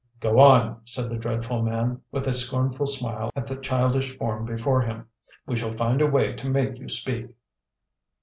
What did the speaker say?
"Go on," said the dreadful man, with a scornful smile at the childish form before him; "we shall find a way to make you speak."